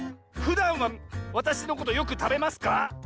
ふだんはわたしのことよくたべますか？